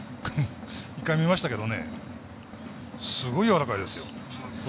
１回見ましたけどすごいやわらかいですよ。